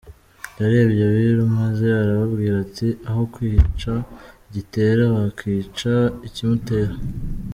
Yarebye Abiru, maze arababwira ati “Aho kwica Gitera wakwica ikibimutera.